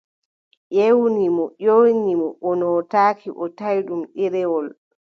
Ƴewni mo ƴewni mo, o nootaaki, o tawi ɗum ɗereewol.